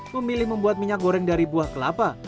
memilih membuat minyak goreng dari buah kelapa